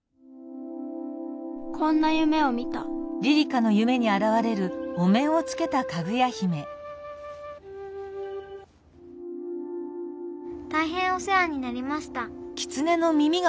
こんなゆめを見たたいへんおせわになりました。